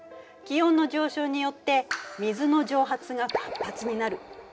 気温の上昇によって水の蒸発が活発になる。